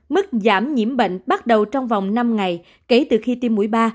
mức giảm nhiễm bệnh bắt đầu trong vòng năm ngày kể từ khi tiêm mũi ba